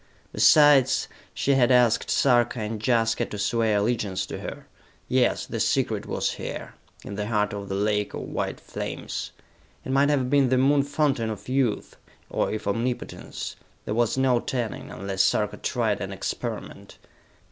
Besides, she had asked Sarka and Jaska to swear allegiance to her. Yes the secret was here, in the heart of the lake of white flames. It might have been the Moon Fountain of Youth, or of omnipotence. There was no telling, unless Sarka tried an experiment.